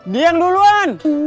dia yang duluan